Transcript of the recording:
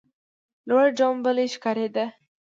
لور ټومبلی ښکارېده.